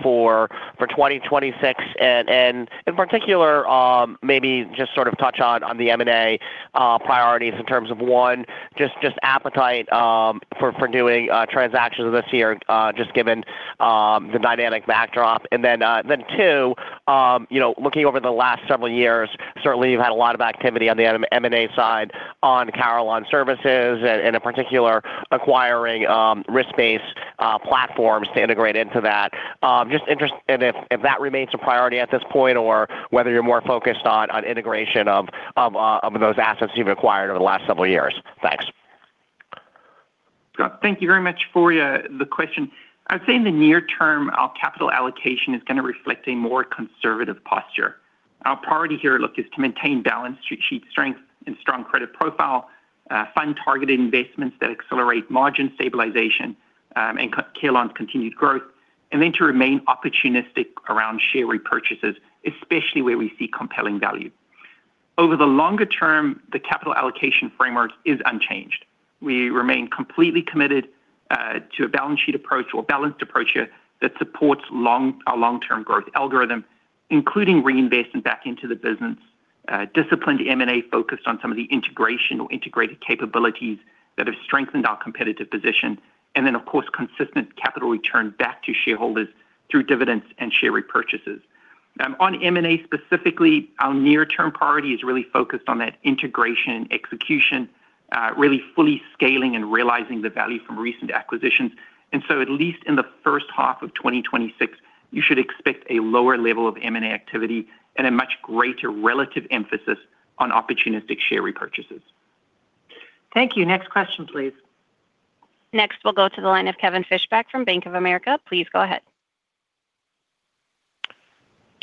for-... for 2026, and in particular, maybe just sort of touch on the M&A priorities in terms of one, just appetite for doing transactions this year, just given the dynamic backdrop. And then two, you know, looking over the last several years, certainly you've had a lot of activity on the M&A side on Carelon Services, and in particular, acquiring risk-based platforms to integrate into that. Just interest and if that remains a priority at this point, or whether you're more focused on integration of those assets you've acquired over the last several years. Thanks. Thank you very much for the question. I'd say in the near term, our capital allocation is going to reflect a more conservative posture. Our priority here, look, is to maintain balance, to achieve strength and strong credit profile, fund targeted investments that accelerate margin stabilization, and Carelon's continued growth, and then to remain opportunistic around share repurchases, especially where we see compelling value. Over the longer term, the capital allocation framework is unchanged. We remain completely committed to a balance sheet approach or balanced approach here that supports a long-term growth algorithm, including reinvestment back into the business, disciplined M&A, focused on some of the integration or integrated capabilities that have strengthened our competitive position, and then, of course, consistent capital return back to shareholders through dividends and share repurchases. On M&A specifically, our near-term priority is really focused on that integration and execution, really fully scaling and realizing the value from recent acquisitions. And so at least in the first half of 2026, you should expect a lower level of M&A activity and a much greater relative emphasis on opportunistic share repurchases. Thank you. Next question, please. Next, we'll go to the line of Kevin Fischbeck from Bank of America. Please go ahead.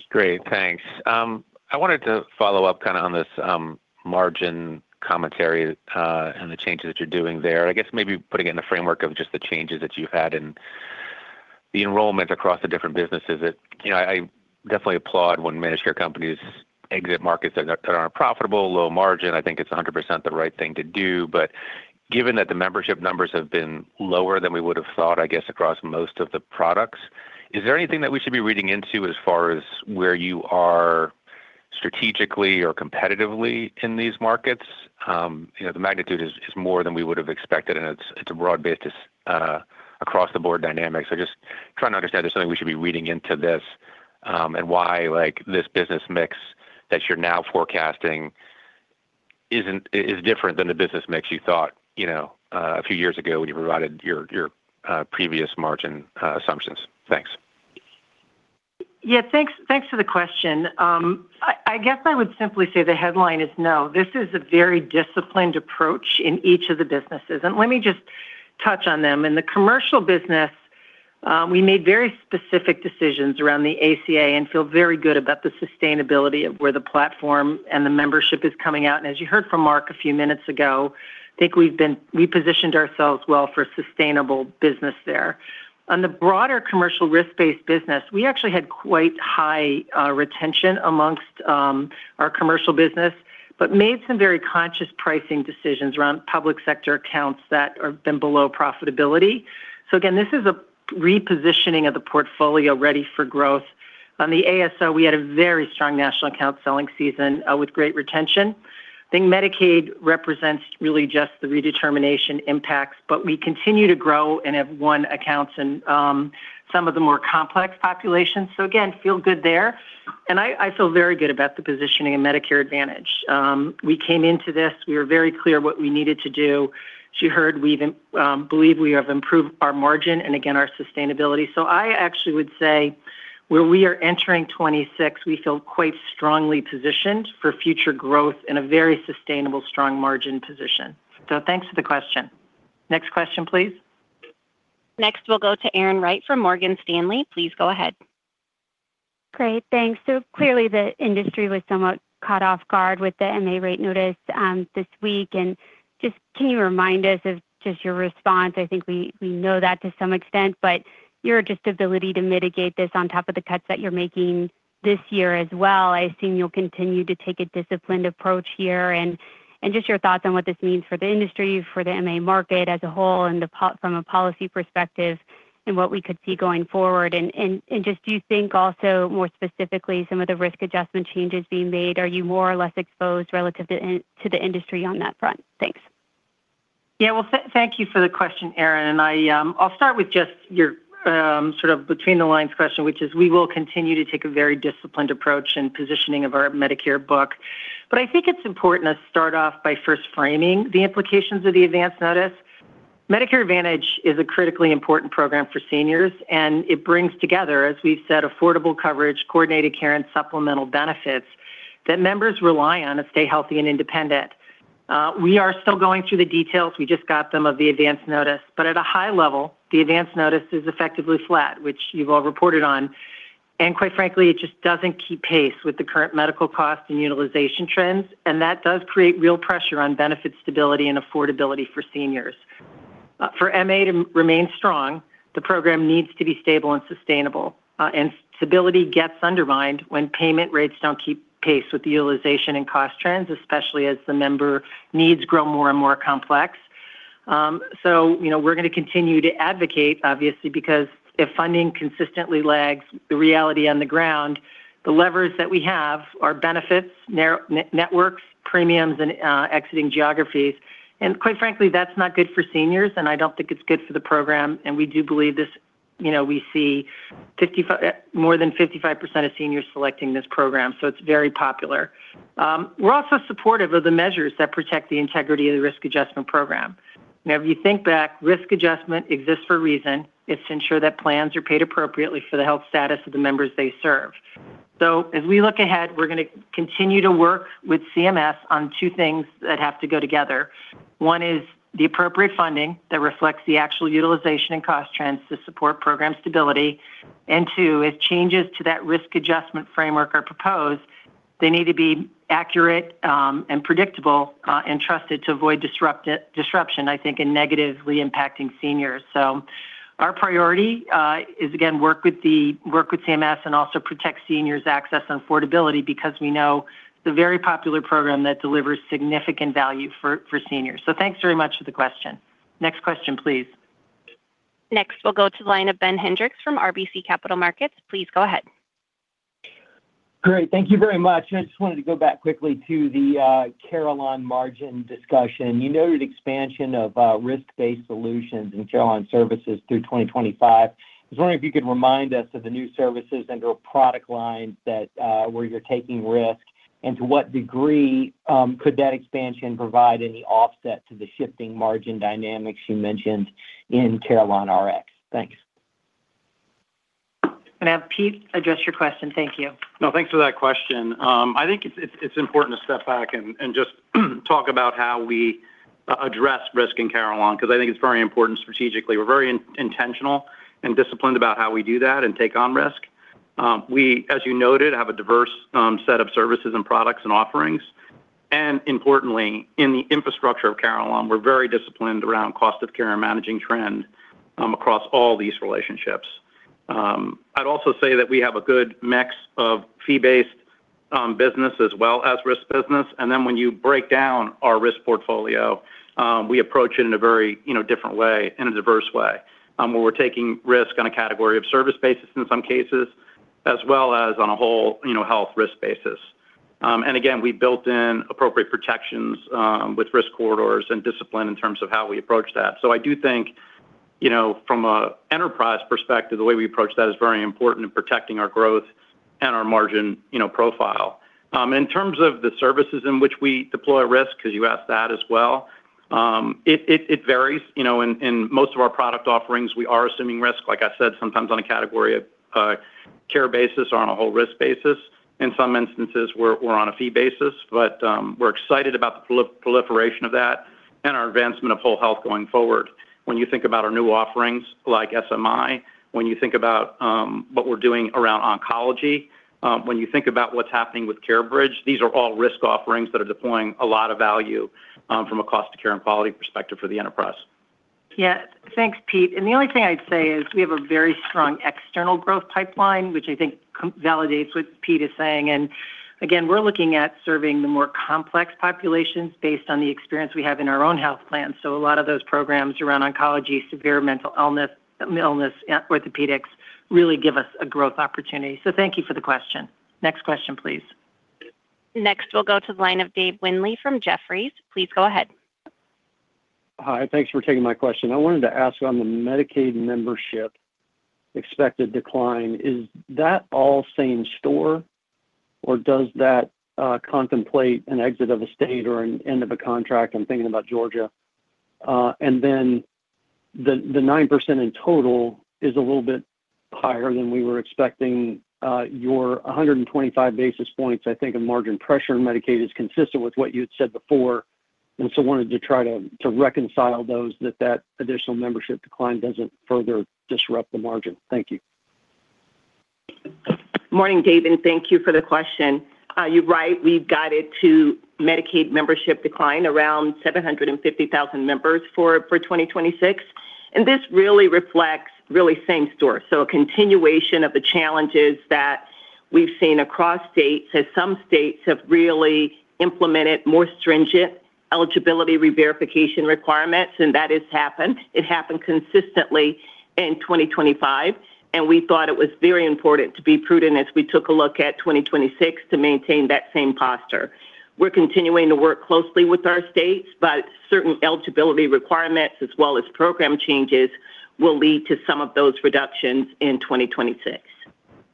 Great, thanks. I wanted to follow up kind of on this, margin commentary, and the changes that you're doing there. I guess maybe putting it in the framework of just the changes that you've had and the enrollment across the different businesses that... You know, I definitely applaud when managed care companies exit markets that are, that aren't profitable, low margin. I think it's 100% the right thing to do. But given that the membership numbers have been lower than we would have thought, I guess, across most of the products, is there anything that we should be reading into as far as where you are strategically or competitively in these markets? You know, the magnitude is more than we would have expected, and it's a broad-based, across-the-board dynamics. Just trying to understand if there's something we should be reading into this, and why, like, this business mix that you're now forecasting is different than the business mix you thought, you know, a few years ago, when you provided your previous margin assumptions. Thanks. Yeah, thanks, thanks for the question. I guess I would simply say the headline is no. This is a very disciplined approach in each of the businesses, and let me just touch on them. In the commercial business, we made very specific decisions around the ACA and feel very good about the sustainability of where the platform and the membership is coming out. And as you heard from Mark a few minutes ago, I think we positioned ourselves well for sustainable business there. On the broader commercial risk-based business, we actually had quite high retention amongst our commercial business, but made some very conscious pricing decisions around public sector accounts that have been below profitability. So again, this is a repositioning of the portfolio ready for growth. On the ASO, we had a very strong national account selling season with great retention. I think Medicaid represents really just the redetermination impacts, but we continue to grow and have won accounts in some of the more complex populations. So again, feel good there. And I feel very good about the positioning of Medicare Advantage. We came into this, we were very clear what we needed to do. As you heard, we've believe we have improved our margin and again, our sustainability. So I actually would say, where we are entering 2026, we feel quite strongly positioned for future growth in a very sustainable, strong margin position. So thanks for the question. Next question, please. Next, we'll go to Erin Wright from Morgan Stanley. Please go ahead. Great, thanks. So clearly, the industry was somewhat caught off guard with the MA rate notice, this week, and just can you remind us of just your response? I think we know that to some extent, but your just ability to mitigate this on top of the cuts that you're making this year as well, I assume you'll continue to take a disciplined approach here. And just your thoughts on what this means for the industry, for the MA market as a whole, and from a policy perspective and what we could see going forward. And just do you think also, more specifically, some of the risk adjustment changes being made, are you more or less exposed relative to the industry on that front? Thanks. Yeah, well, thank you for the question, Erin, and I, I'll start with just your sort of between-the-lines question, which is we will continue to take a very disciplined approach in positioning of our Medicare book. But I think it's important to start off by first framing the implications of the Advance Notice. Medicare Advantage is a critically important program for seniors, and it brings together, as we've said, affordable coverage, coordinated care, and supplemental benefits that members rely on to stay healthy and independent. We are still going through the details, we just got them, of the Advance Notice, but at a high level, the Advance Notice is effectively flat, which you've all reported on. And quite frankly, it just doesn't keep pace with the current medical costs and utilization trends, and that does create real pressure on benefit stability and affordability for seniors. For MA to remain strong, the program needs to be stable and sustainable, and stability gets undermined when payment rates don't keep pace with the utilization and cost trends, especially as the member needs grow more and more complex. So, you know, we're going to continue to advocate, obviously, because if funding consistently lags the reality on the ground, the levers that we have are benefits, networks, premiums, and exiting geographies. And quite frankly, that's not good for seniors, and I don't think it's good for the program, and we do believe this. You know, we see more than 55% of seniors selecting this program, so it's very popular. We're also supportive of the measures that protect the integrity of the risk adjustment program. Now, if you think back, risk adjustment exists for a reason. It's to ensure that plans are paid appropriately for the health status of the members they serve. So as we look ahead, we're going to continue to work with CMS on two things that have to go together. One is the appropriate funding that reflects the actual utilization and cost trends to support program stability. And two, if changes to that risk adjustment framework are proposed, they need to be accurate, and predictable, and trusted to avoid disruption, I think, in negatively impacting seniors. So our priority is again, work with CMS and also protect seniors' access and affordability because we know it's a very popular program that delivers significant value for seniors. So thanks very much for the question. Next question, please. Next, we'll go to the line of Ben Hendrix from RBC Capital Markets. Please go ahead. Great. Thank you very much. I just wanted to go back quickly to the Carelon margin discussion. You noted expansion of risk-based solutions in Carelon Services through 2025. I was wondering if you could remind us of the new services under a product line that where you're taking risk, and to what degree could that expansion provide any offset to the shifting margin dynamics you mentioned in CarelonRx? Thanks. I'm going to have Pete address your question. Thank you. No, thanks for that question. I think it's important to step back and just talk about how we address risk in Carelon, because I think it's very important strategically. We're very intentional and disciplined about how we do that and take on risk. We, as you noted, have a diverse set of services and products and offerings, and importantly, in the infrastructure of Carelon, we're very disciplined around cost of care and managing trend across all these relationships. I'd also say that we have a good mix of fee-based business as well as risk business, and then when you break down our risk portfolio, we approach it in a very, you know, different way, in a diverse way, where we're taking risk on a category of service basis in some cases, as well as on a whole, you know, health risk basis. And again, we built in appropriate protections with risk corridors and discipline in terms of how we approach that. So I do think, you know, from an enterprise perspective, the way we approach that is very important in protecting our growth and our margin, you know, profile. In terms of the services in which we deploy risk, because you asked that as well, it varies. You know, in most of our product offerings, we are assuming risk, like I said, sometimes on a category of care basis or on a whole risk basis. In some instances, we're on a fee basis, but we're excited about the proliferation of that and our advancement of whole health going forward. When you think about our new offerings, like SMI, when you think about what we're doing around oncology, when you think about what's happening with CareBridge, these are all risk offerings that are deploying a lot of value from a cost of care and quality perspective for the enterprise. Yeah. Thanks, Pete. And the only thing I'd say is we have a very strong external growth pipeline, which I think validates what Pete is saying. And again, we're looking at serving the more complex populations based on the experience we have in our own health plan. So a lot of those programs around oncology, severe mental illness, and orthopedics really give us a growth opportunity. So thank you for the question. Next question, please. Next, we'll go to the line of Dave Windley from Jefferies. Please go ahead. Hi, thanks for taking my question. I wanted to ask on the Medicaid membership expected decline. Is that all same store, or does that contemplate an exit of a state or an end of a contract? I'm thinking about Georgia. Then the 9% in total is a little bit higher than we were expecting. Your 125 basis points, I think, of margin pressure in Medicaid is consistent with what you'd said before, and so wanted to try to reconcile those, that additional membership decline doesn't further disrupt the margin. Thank you. Morning, Dave, and thank you for the question. You're right, we've guided to Medicaid membership decline around 750,000 members for 2026, and this really reflects same store. So a continuation of the challenges that we've seen across states, as some states have really implemented more stringent eligibility reverification requirements, and that has happened. It happened consistently in 2025, and we thought it was very important to be prudent as we took a look at 2026 to maintain that same posture. We're continuing to work closely with our states, but certain eligibility requirements, as well as program changes, will lead to some of those reductions in 2026.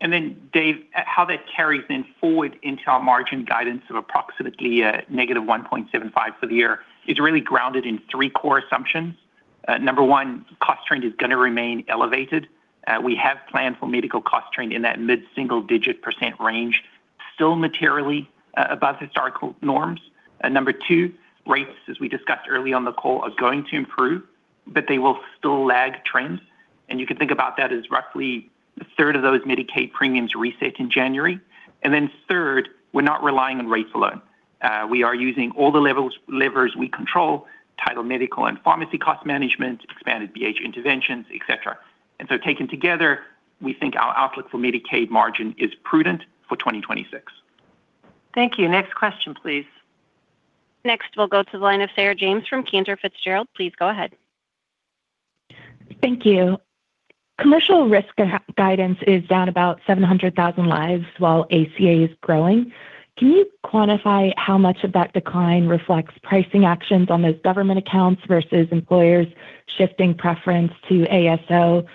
And then, Dave, how that carries then forward into our margin guidance of approximately -1.75 for the year is really grounded in three core assumptions. Number one, cost trend is going to remain elevated. We have planned for medical cost trend in that mid-single-digit % range, still materially above historical norms. Number two, rates, as we discussed early on the call, are going to improve, but they will still lag trends. And you can think about that as roughly a third of those Medicaid premiums reset in January. And then third, we're not relying on rates alone. We are using all the levers we control, utilization medical and pharmacy cost management, expanded BH interventions, et cetera. And so taken together, we think our outlook for Medicaid margin is prudent for 2026.... Thank you. Next question, please. Next, we'll go to the line of Sarah James from Cantor Fitzgerald. Please go ahead. Thank you. Commercial risk guidance is down about 700,000 lives while ACA is growing. Can you quantify how much of that decline reflects pricing actions on those government accounts versus employers shifting preference to ASO?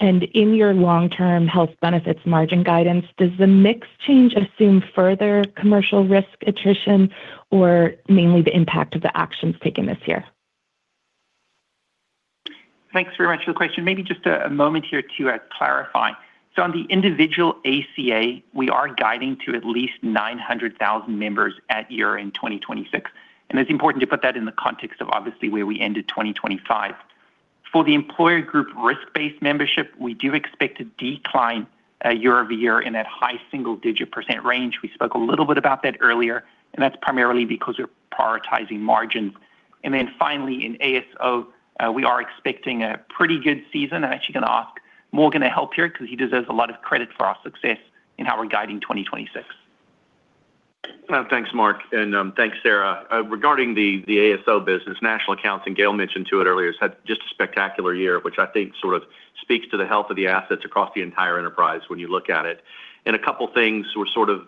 And in your long-term health benefits margin guidance, does the mix change assume further commercial risk attrition, or mainly the impact of the actions taken this year? Thanks very much for the question. Maybe just a moment here to clarify. So on the individual ACA, we are guiding to at least 900,000 members at year-end in 2026, and it's important to put that in the context of obviously where we ended 2025. For the employer group risk-based membership, we do expect to decline year-over-year in that high single-digit % range. We spoke a little bit about that earlier, and that's primarily because we're prioritizing margins. Then finally, in ASO, we are expecting a pretty good season. I'm actually going to ask Morgan to help here because he deserves a lot of credit for our success in how we're guiding 2026. Thanks, Mark, and thanks, Sarah. Regarding the ASO business, National Accounts, and Gail mentioned it earlier, has had just a spectacular year, which I think sort of speaks to the health of the assets across the entire enterprise when you look at it. A couple things were sort of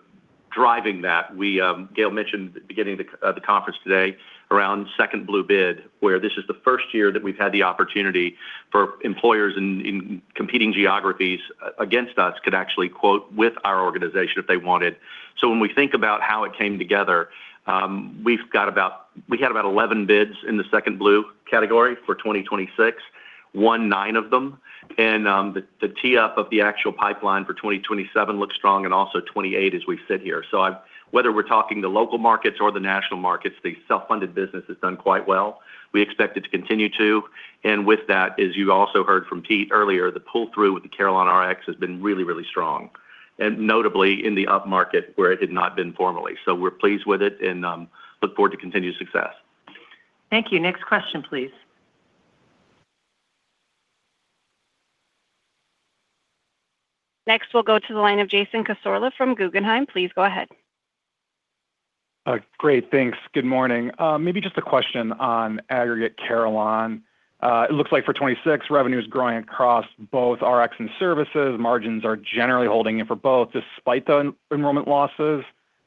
driving that. We... Gail mentioned at the beginning of the conference today around Second Blue Bid, where this is the first year that we've had the opportunity for employers in competing geographies against us could actually quote with our organization if they wanted. So when we think about how it came together, we've got about—we had about 11 bids in the second blue category for 2026, won 9 of them, and the tee up of the actual pipeline for 2027 looks strong and also 2028 as we sit here. So I've whether we're talking the local markets or the national markets, the self-funded business has done quite well. We expect it to continue to, and with that, as you also heard from Pete earlier, the pull-through with the CarelonRx has been really, really strong, and notably in the upmarket, where it had not been formerly. So we're pleased with it and look forward to continued success. Thank you. Next question, please. Next, we'll go to the line of Jason Cassorla from Guggenheim. Please go ahead. Great. Thanks. Good morning. Maybe just a question on aggregate Carelon. It looks like for 2026, revenue is growing across both Rx and services. Margins are generally holding in for both, despite the enrollment losses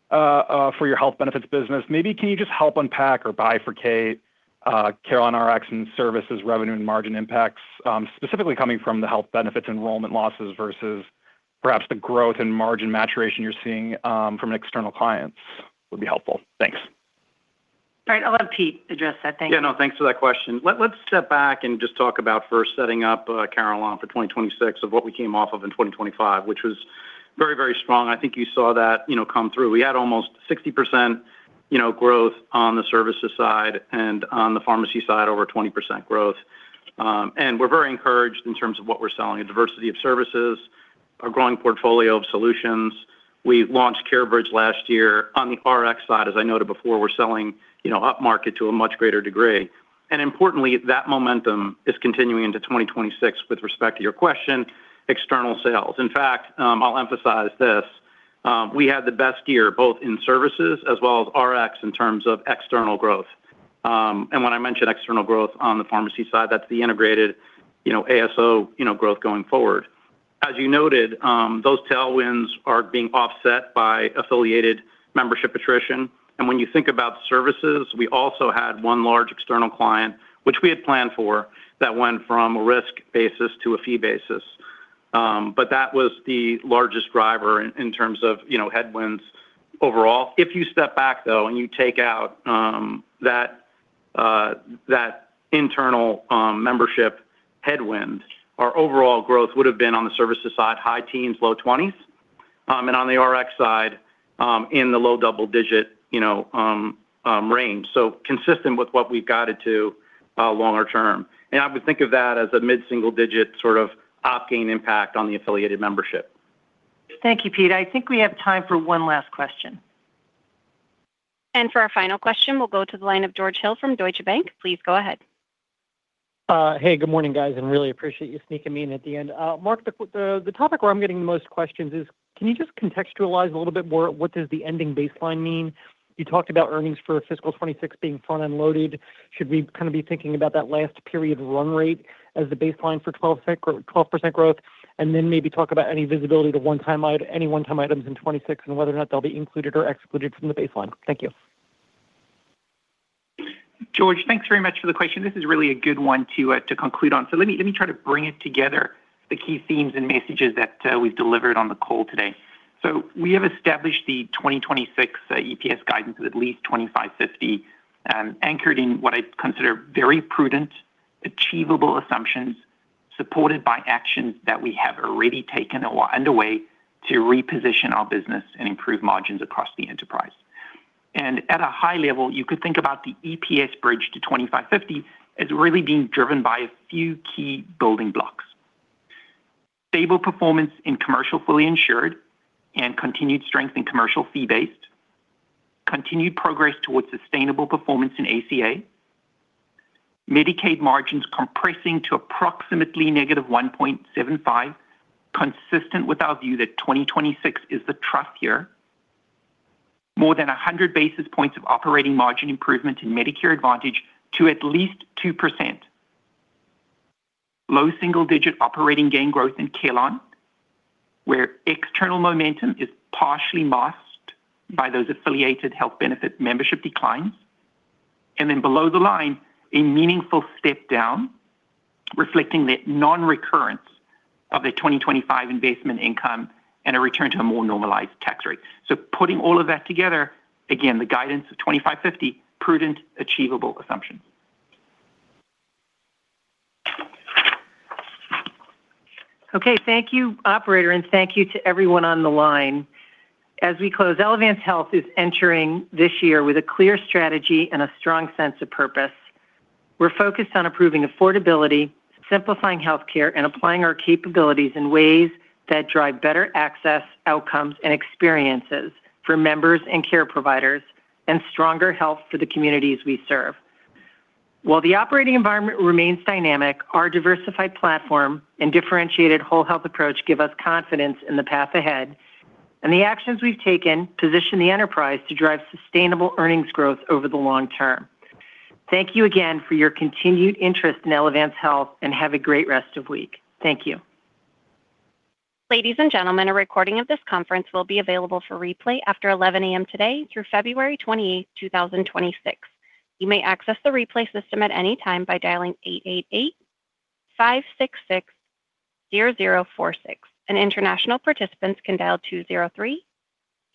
for your health benefits business. Maybe can you just help unpack or bifurcate Carelon Rx and services revenue and margin impacts, specifically coming from the health benefits enrollment losses versus perhaps the growth and margin maturation you're seeing from external clients, would be helpful. Thanks. All right, I'll let Pete address that. Thank you. Yeah, no, thanks for that question. Let's step back and just talk about first setting up Carelon for 2026 of what we came off of in 2025, which was very, very strong. I think you saw that, you know, come through. We had almost 60% growth on the services side and on the pharmacy side, over 20% growth. And we're very encouraged in terms of what we're selling, a diversity of services, a growing portfolio of solutions. We launched CareBridge last year. On the Rx side, as I noted before, we're selling, you know, upmarket to a much greater degree. And importantly, that momentum is continuing into 2026 with respect to your question, external sales. In fact, I'll emphasize this, we had the best year, both in services as well as Rx, in terms of external growth. And when I mention external growth on the pharmacy side, that's the integrated, you know, ASO, you know, growth going forward. As you noted, those tailwinds are being offset by affiliated membership attrition. And when you think about services, we also had one large external client, which we had planned for, that went from a risk basis to a fee basis. But that was the largest driver in, in terms of, you know, headwinds overall. If you step back, though, and you take out, that, that internal, membership headwind, our overall growth would have been on the services side, high teens, low twenties, and on the Rx side, in the low double digit, you know, range. So consistent with what we've guided to, longer term. I would think of that as a mid-single digit, sort of, op gain impact on the affiliated membership. Thank you, Pete. I think we have time for one last question. For our final question, we'll go to the line of George Hill from Deutsche Bank. Please go ahead. Hey, good morning, guys, and really appreciate you sneaking me in at the end. Mark, the topic where I'm getting the most questions is, can you just contextualize a little bit more, what does the ending baseline mean? You talked about earnings for fiscal 2026 being front-end loaded. Should we kind of be thinking about that last period of run rate as the baseline for 12% or 12% growth? And then maybe talk about any visibility to one-time item, any one-time items in 2026 and whether or not they'll be included or excluded from the baseline. Thank you. George, thanks very much for the question. This is really a good one to, to conclude on. So let me, let me try to bring it together, the key themes and messages that, we've delivered on the call today. So we have established the 2026 EPS guidance of at least $25.50, anchored in what I'd consider very prudent, achievable assumptions, supported by actions that we have already taken or are underway to reposition our business and improve margins across the enterprise. And at a high level, you could think about the EPS bridge to $25.50 as really being driven by a few key building blocks. Stable performance in commercial fully insured and continued strength in commercial fee-based, continued progress towards sustainable performance in ACA. Medicaid margins compressing to approximately -1.75, consistent with our view that 2026 is the trough year. More than 100 basis points of operating margin improvement in Medicare Advantage to at least 2%. Low single-digit operating gain growth in Carelon, where external momentum is partially masked by those affiliated health benefit membership declines. Then below the line, a meaningful step down, reflecting the non-recurrence of the 2025 investment income and a return to a more normalized tax rate. So putting all of that together, again, the guidance of $2.55, prudent, achievable assumptions. Okay, thank you, operator, and thank you to everyone on the line. As we close, Elevance Health is entering this year with a clear strategy and a strong sense of purpose. We're focused on improving affordability, simplifying healthcare, and applying our capabilities in ways that drive better access, outcomes, and experiences for members and care providers, and stronger health for the communities we serve. While the operating environment remains dynamic, our diversified platform and differentiated whole health approach give us confidence in the path ahead, and the actions we've taken position the enterprise to drive sustainable earnings growth over the long term. Thank you again for your continued interest in Elevance Health, and have a great rest of week. Thank you. Ladies and gentlemen, a recording of this conference will be available for replay after 11:00 A.M. today through February 28, 2026. You may access the replay system at any time by dialing 888-566-0046, and international participants can dial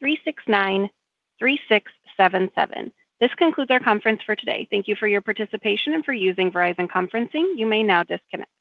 203-369-3677. This concludes our conference for today. Thank you for your participation and for using Verizon Conferencing. You may now disconnect.